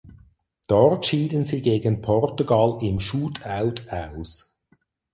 Dort schieden sie gegen Portugal im Shootout aus.